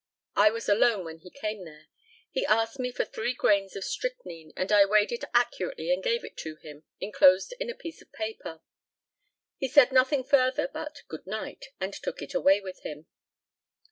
I was alone when he came there. He asked me for three grains of strychnine, and I weighed it accurately and gave it to him, enclosed in a piece of paper. He said nothing further, but "Good night," and took it away with him.